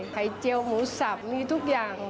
เจียวหมูสับมีทุกอย่าง